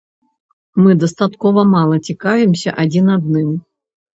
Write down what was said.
Мы дастаткова мала цікавімся адзін адным.